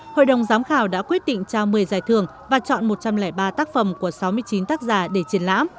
hội đồng giám khảo đã quyết định trao một mươi giải thưởng và chọn một trăm linh ba tác phẩm của sáu mươi chín tác giả để triển lãm